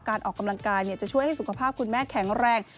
การออกกำลังกายจะช่วยให้สุขภาพคุณแม่แข็งแรง